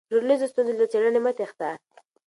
د ټولنیزو ستونزو له څېړنې مه تېښته.